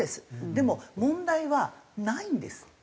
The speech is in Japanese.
でも問題はないんです。